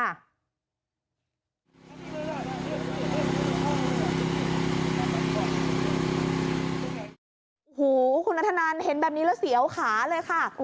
โอ้โหคุณนัทธนันเห็นแบบนี้แล้วเสียวขาเลยค่ะ